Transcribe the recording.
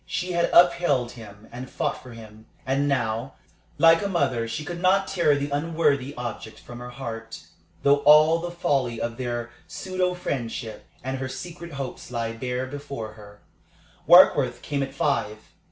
She had upheld him and fought for him. And now, like a mother, she could not tear the unworthy object from her heart, though all the folly of their pseudo friendship and her secret hopes lay bare before her. Warkworth came at five.